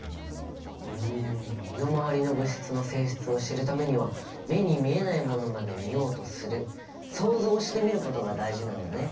うん身の回りの物質の性質を知るためには目に見えないものまで見ようとする想像してみることが大事なんだね。